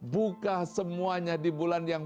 buka semuanya di bulan yang